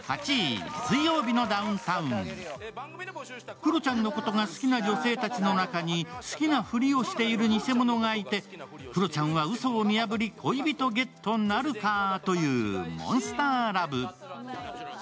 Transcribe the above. クロちゃんのことが好きな女性たちの中に、好きなふりをしている偽物がいてクロちゃんはうそを見破り恋人ゲットなるかという「ＭＯＮＳＴＥＲＬＯＶＥ」。